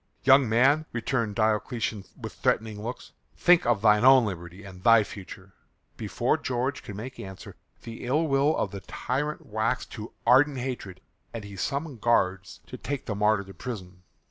"Young man," returned Diocletian with threatening looks, "think of thine own liberty and thy future." Before George could make answer the ill will of the tyrant waxed to ardent hatred and he summoned guards to take the martyr to prison.